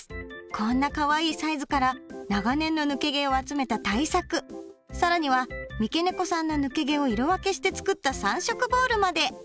こんなかわいいサイズから長年の抜け毛を集めた大作更には三毛猫さんの抜け毛を色分けして作った３色ボールまで！